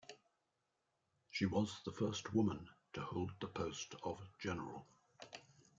She was the first woman to hold the post of General.